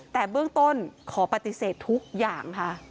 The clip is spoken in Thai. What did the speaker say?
แต่เบื้องต้นขอปฏิเสธทุกอย่างค่ะ